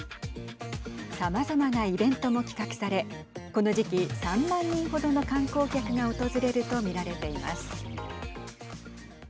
さまざまなイベントも企画されこの時期、３万人程の観光客が訪れると見られています。